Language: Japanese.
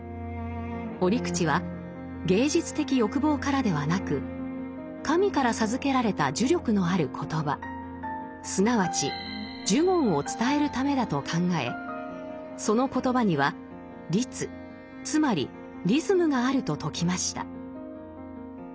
折口は芸術的欲望からではなく神から授けられた呪力のある言葉すなわち「呪言」を伝えるためだと考えその言葉には「律」つまりリズムがあると説きました。